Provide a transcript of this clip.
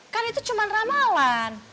kan itu cuma ramalan